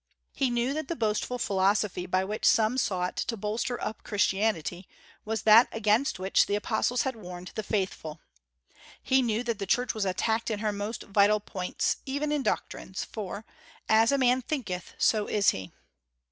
He knew that the boastful philosophy by which some sought to bolster up Christianity was that against which the apostles had warned the faithful. He knew that the Church was attacked in her most vital points, even in doctrines, for "as a man thinketh, so is he."